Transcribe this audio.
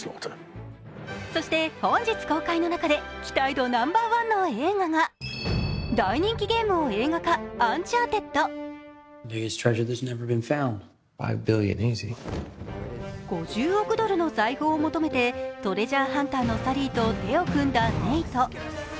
そして、本日公開の中で期待度ナンバー１の映画が大人気ゲームを映画化「アンチャーテッド」５０億ドルの財宝を求めてトレジャーハンターのサリーと手を組んだネイト。